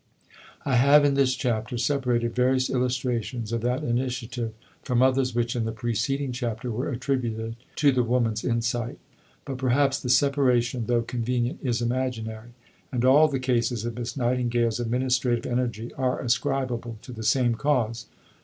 I have in this chapter separated various illustrations of that initiative from others which, in the preceding chapter, were attributed to "the woman's insight." But perhaps the separation, though convenient, is imaginary, and all the cases of Miss Nightingale's administrative energy are ascribable to the same cause.